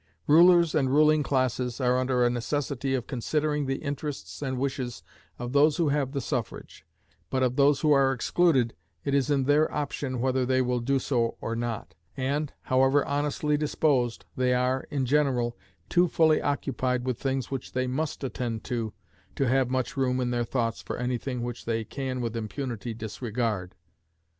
Rulers and ruling classes are under a necessity of considering the interests and wishes of those who have the suffrage; but of those who are excluded, it is in their option whether they will do so or not; and, however honestly disposed, they are, in general, too fully occupied with things which they must attend to to have much room in their thoughts for any thing which they can with impunity disregard.